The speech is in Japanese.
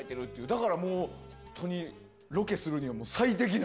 だからもう本当にロケするには最適な。